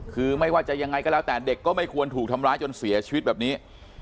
คือไม่ว่าจะยังไงก็แล้วแต่เด็กก็ไม่ควรถูกทำร้ายจนเสียชีวิตแบบนี้